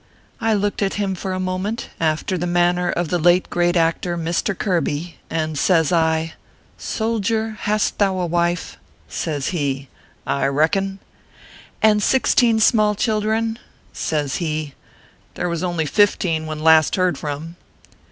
I looked at him for a moment, after the manner of the late great actor, Mr. Kirby, and says I :" Soldier, hast thou a wife ?" Says he :" I reckon." ORPHEUS C. KERR PAPERS. 75 " And sixteen small children ?" Says he :" There was only fifteen when last heard from."